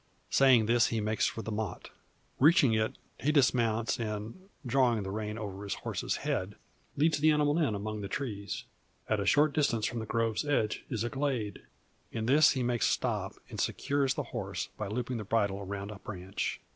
Saying this, he makes for the motte. Reaching it, he dismounts, and, drawing the rein over his horse's head, leads the animal in among the trees. At a short distance from the grove's edge is a glade. In this he makes stop, and secures the horse, by looping the bridle around a branch.